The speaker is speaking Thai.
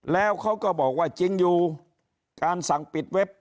แล้วเขาก็บอกว่าจริงอยู่การสั่งปิดเว็บ